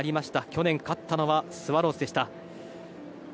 去年勝ったのはスワローズでした。